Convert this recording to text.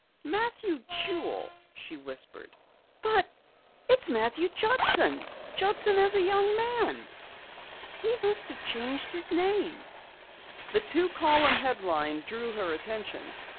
"Matthew Jewel," she whispered. "But it's Matthew Judson! Judson as a young man. He must have changed his name!" The two column headline drew her attention.